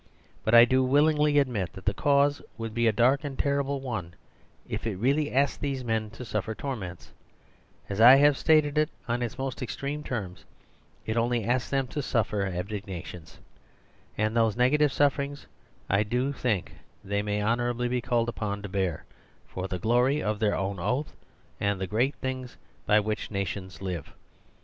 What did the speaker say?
But I do willingly ad mit that the cause would be a dark and ter rible one, if it really asked these men to suf fer torments. As I have stated it, on its most extreme terms, it only asks them to suflFer ab 124 The Superstition of Divorce negations. And those negative sufferings I do think they may honourably be called upon to bear, for the glory of their own oath and the great things by which the nations live.